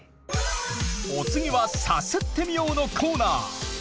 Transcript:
お次は「サスってみよう」のコーナー。